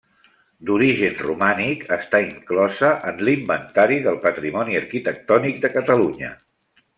D'origen romànic, està inclosa en l'Inventari del Patrimoni Arquitectònic de Catalunya.